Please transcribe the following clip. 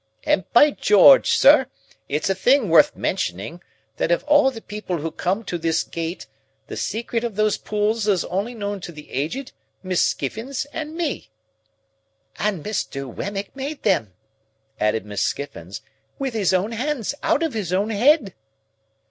And by George, sir, it's a thing worth mentioning, that of all the people who come to this gate, the secret of those pulls is only known to the Aged, Miss Skiffins, and me!" "And Mr. Wemmick made them," added Miss Skiffins, "with his own hands out of his own head."